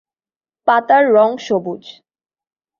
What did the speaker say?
পাতার রং সবুজ।